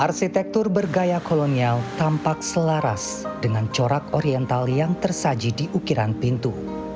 arsitektur bergaya kolonial tampak selaras dengan corak oriental yang tersaji di ukiran pintu